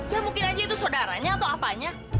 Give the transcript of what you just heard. ya mungkin aja itu saudaranya atau apanya